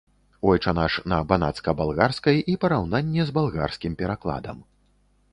Ойча наш на банацка-балгарскай і параўнанне з балгарскім перакладам.